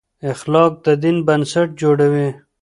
اخلاق د دین بنسټ جوړوي.